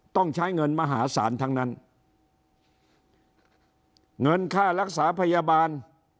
ต้องใช้เงินมหาศาลทั้งนั้นเงินค่ารักษาพยาบาล